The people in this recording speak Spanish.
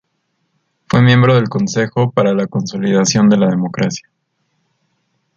Fue miembro del Consejo para la Consolidación de la Democracia.